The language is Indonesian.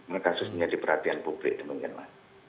ini kasus menjadi perhatian publik mungkin mas